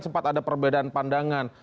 sempat ada perbedaan pandangan